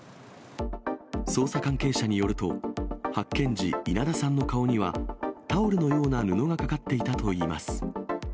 捜査関係者によると、発見時、稲田さんの顔には、タオルのような布がかかっていたといいます。